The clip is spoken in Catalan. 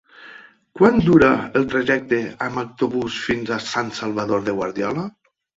Quant dura el trajecte en autobús fins a Sant Salvador de Guardiola?